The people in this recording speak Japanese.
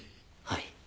はい。